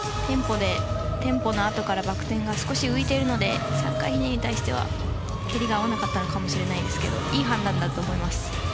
テンポのあとからバク転が少し浮いているので３回ひねりに対しては蹴りが合わなかったかもしれませんがいい判断だったと思います。